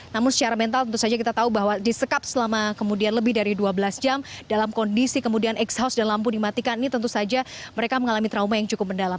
namun secara mental tentu saja kita tahu bahwa disekap selama kemudian lebih dari dua belas jam dalam kondisi kemudian exhaust dan lampu dimatikan ini tentu saja mereka mengalami trauma yang cukup mendalam